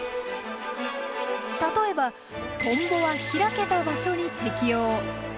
例えばトンボは開けた場所に適応。